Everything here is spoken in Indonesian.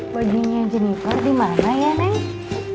baginya jennifer dimana ya neng